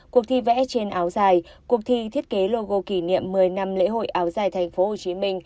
cuộc thi vẽ trên áo dài cuộc thi thiết kế logo kỷ niệm một mươi năm lễ hội áo dài tp hcm